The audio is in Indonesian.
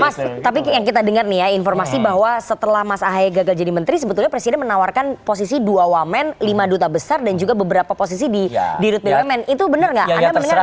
mas tapi yang kita dengar nih ya informasi bahwa setelah mas ahaye gagal jadi menteri sebetulnya presiden menawarkan posisi dua wamen lima duta besar dan juga beberapa posisi di di rute bumn itu benar nggak anda mendengar